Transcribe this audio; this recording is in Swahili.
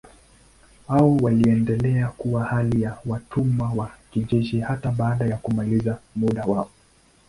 Hao waliendelea kuwa hali ya watumwa wa kijeshi hata baada ya kumaliza muda wao.